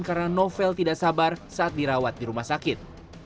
karena novel tidak sabar saat dirawat di rumah sakit